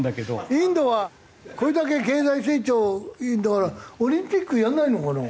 インドはこれだけ経済成長いいんだからオリンピックやらないのかな？